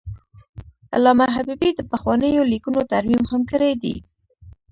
علامه حبیبي د پخوانیو لیکنو ترمیم هم کړی دی.